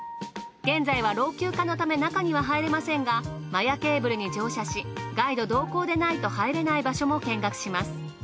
現在は老朽化のため中には入れませんが摩耶ケーブルに乗車しガイド同行でないと入れない場所も見学します。